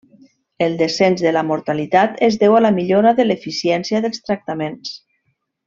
El descens de la mortalitat es deu a la millora de l'eficiència dels tractaments.